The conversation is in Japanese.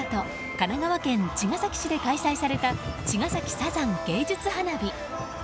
神奈川県茅ヶ崎市で開催された「茅ヶ崎サザン芸術花火」。